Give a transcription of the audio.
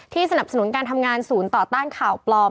สนับสนุนการทำงานศูนย์ต่อต้านข่าวปลอม